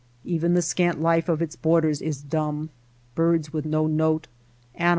Even the scant life of its borders is dumb — birds with no note, animals Snipe.